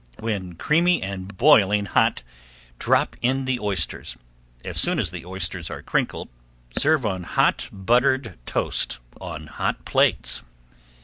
When creamy and boiling hot drop in the oysters. As soon as the oysters are crinkled serve on hot buttered toast on hot plates.